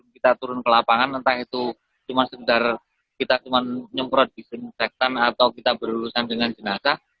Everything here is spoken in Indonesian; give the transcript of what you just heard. kita turun ke lapangan entah itu cuma sekedar kita cuma nyemprot disinfektan atau kita berurusan dengan jenazah